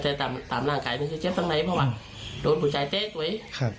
แต่ตามร่างกายมันคือเจ็บตรงไหนบ้างว่าโดนผู้ชายเต๊ะไว้